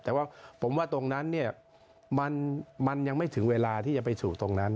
แต่ว่าผมว่าตรงนั้นเนี่ยมันยังไม่ถึงเวลาที่จะไปสู่ตรงนั้น